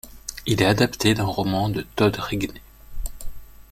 Il est adapté d’un roman de Todd Rigney.